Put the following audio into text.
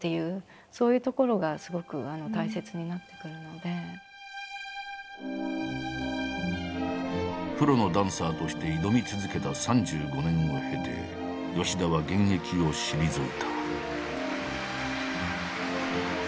でもやっぱりプロのダンサーとして挑み続けた３５年を経て吉田は現役を退いた。